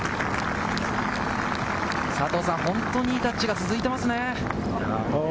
佐藤さん、本当にいいタッチが続いてますね。